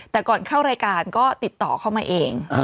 แต่ก่อนเข้ารายการก็ติดต่อเข้ามาเอง